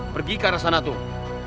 pergi ke arah sana tuh